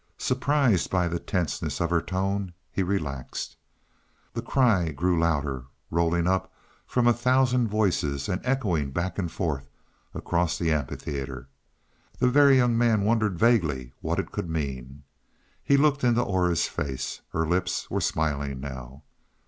Surprised by the tenseness of her tone, he relaxed. The cry grew louder, rolling up from a thousand voices and echoing back and forth across the amphitheater. The Very Young Man wondered vaguely what it could mean. He looked into Aura's face. Her lips were smiling now.